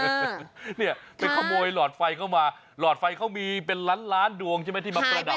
เนี่ยไปขโมยหลอดไฟเข้ามาหลอดไฟเขามีเป็นล้านล้านดวงใช่ไหมที่มาประดับ